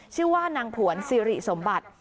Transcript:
ชื่อว่านางผวนสิริสมบัติ